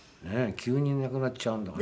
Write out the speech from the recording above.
急にいなくなっちゃうんだから。